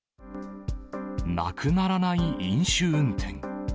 なくならない飲酒運転。